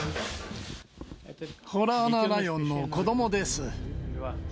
ホラアナライオンの子どもです。